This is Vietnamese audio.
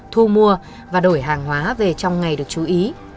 thu mua và đổi hàng hóa về trong ngày được chú ý